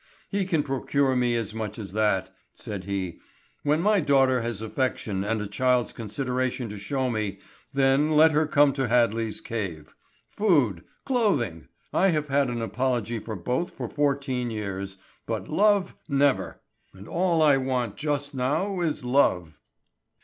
"He can procure me as much as that," said he. "When my daughter has affection and a child's consideration to show me, then let her come to Hadley's cave. Food! Clothing! I have had an apology for both for fourteen years, but love—never; and all I want just now is love!"